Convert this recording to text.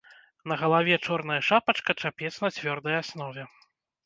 На галаве чорная шапачка-чапец на цвёрдай аснове.